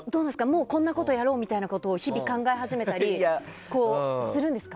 もうこんなことやろうなんてことを日々、考え始めたりするんですか。